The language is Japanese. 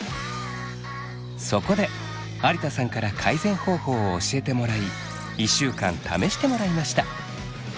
そこで有田さんから改善方法を教えてもらい１週間試してもらいました。